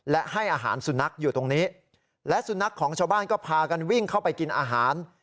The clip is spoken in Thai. และให้อาหารสุนัขอยู่ตรงนี้และสุนัขของชาวบ้านก็พากันวิ่งเข้าไปกินอาหาร